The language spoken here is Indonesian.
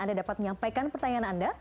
anda dapat menyampaikan pertanyaan anda